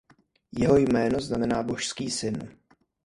Jeho jméno znamená "božský syn".